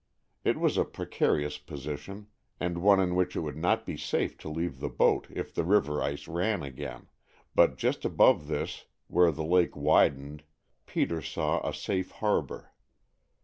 It was a precarious position, and one in which it would not be safe to leave the boat if the river ice ran again, but just above this where the lake widened, Peter saw a safe harbor.